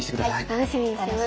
楽しみにしてます。